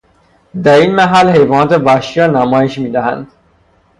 دراینمحل حیوانات وحشی رانمایش میدهند